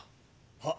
はっ。